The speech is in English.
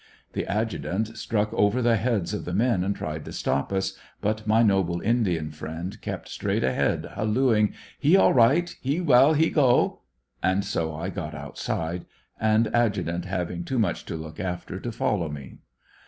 The adjutant struck over the heads of the men and tried to stop us, but my noble Indian friend kept straight ahead, hallooing: *'He all right, he well, he go!" And so 1 got outside, and adjutant having too much to look after to follow me.